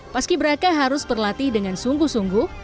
paski beraka harus berlatih dengan sungguh sungguh